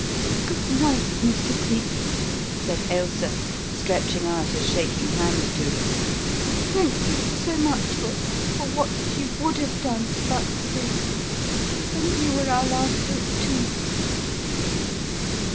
"Good night, Mr. Cleek!" said Ailsa, stretching out a shaking hand to him. "Thank you so much for for what you would have done but for this. And you were our last hope, too!"